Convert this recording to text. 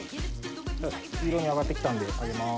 いい色に揚がって来たんで上げます。